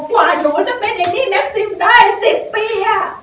กว่าอยู่จะเป็นเอมมี่แม็กซิมได้๑๐ปี